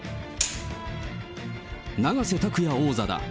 永瀬拓矢王座だ。